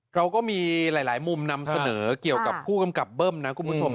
เราก็มีหลายมุมนำเสนอเกี่ยวกับผู้กำกับเบิ้มนะคุณผู้ชม